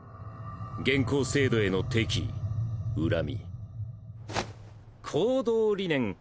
現行制度への敵意恨み行動理念。